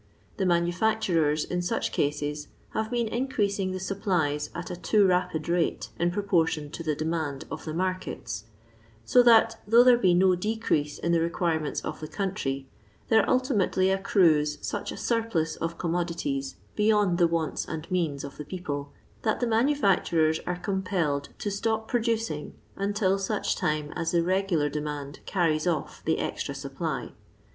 The manufacturers, in such cases, have been increasing the supplies at a too rapid rate in proportion to the demand of the markets, so that, though there be BO decrease in the requirements of the country, there ultimately accrues such a surplus of coomio dities beyond the wants and means of the people, that the manuiscturers are compelled to stop pro ducing until such time as the regular demand carries off the extra supply.